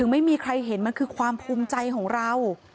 ไม่มีใครเห็นมันคือความภูมิใจของเรา